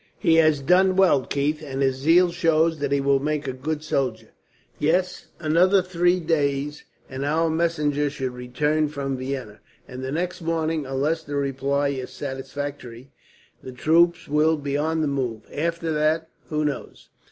"He has done well, Keith, and his zeal shows that he will make a good soldier. Yes, another three days, and our messenger should return from Vienna; and the next morning, unless the reply is satisfactory, the troops will be on the move. After that, who knows?"